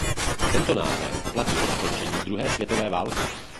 Tento název platí od skončení druhé světové války.